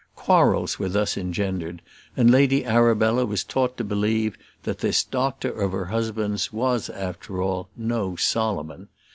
Quarrels were thus engendered, and Lady Arabella was taught to believe that this doctor of her husband's was after all no Solomon.